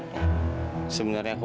kamu tuh bikin aku raitin kamu